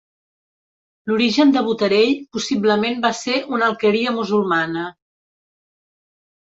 L'origen de Botarell possiblement va ser una alqueria musulmana.